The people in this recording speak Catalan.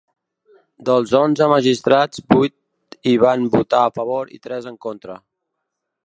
Dels onze magistrats, vuit hi han votat a favor i tres en contra.